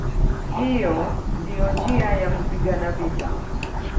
Hiyo ndiyo njia ya kupigana vita".